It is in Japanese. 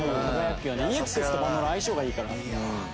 「ＥＸとバンドの相性がいいから」